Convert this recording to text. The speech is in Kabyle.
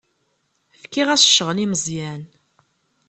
Fkiɣ-as ccɣel i Meẓyan.